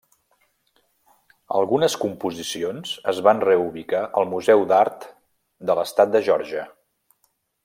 Algunes composicions es van reubicar al museu d'art de l'estat de Geòrgia.